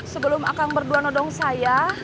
sebelum akan berdua nodong saya